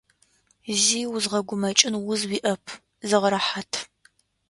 Зи узгъэгумэкӏын уз уиӏэп, зыгъэрэхьат.